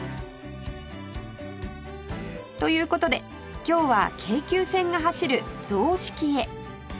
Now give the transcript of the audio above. という事で今日は京急線が走る雑色へ